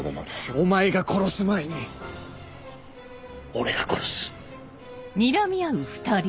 お前が殺す前に俺が殺す。